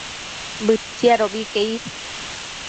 Bëtsiadobi que is